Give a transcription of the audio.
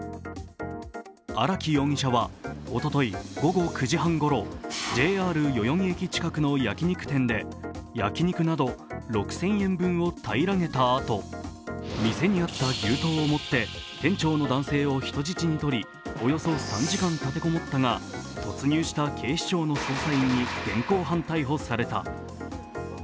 荒木容疑者はおととい午後９時半ごろ、ＪＲ代々木駅近くの焼き肉店で焼肉など６０００円分を平らげたあと、店にあった牛刀を持って店長の男性を人質にとり、およそ３時間立てこもったが、突入した警視庁の捜査員に現行犯逮捕された。